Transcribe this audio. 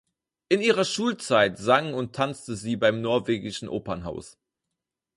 In ihrer Schulzeit sang und tanzte sie beim Norwegischen Opernhaus.